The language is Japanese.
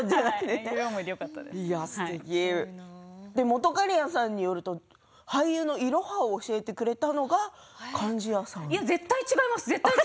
本仮屋さんによると俳優のいろはを教えてくれたのが絶対違います。